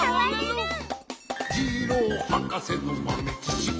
「ジローはかせのまめちしき」